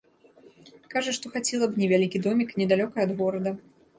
Кажа, што хацела б невялікі домік недалёка ад горада.